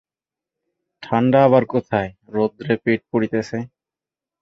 ঠাণ্ডা আবার কোথায়–রৌদ্রে পিঠ পুড়িতেছে।